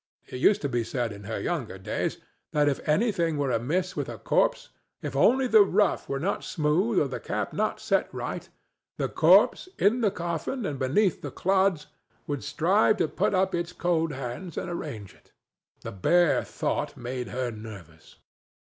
It used to be said in her younger days that if anything were amiss with a corpse—if only the ruff were not smooth or the cap did not set right—the corpse, in the coffin and beneath the clods, would strive to put up its cold hands and arrange it. The bare thought made her nervous.